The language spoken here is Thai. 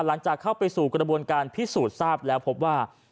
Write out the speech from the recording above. หลังจากเข้าไปสู่กระบวนการพิสูจน์ทราบแล้วพบว่า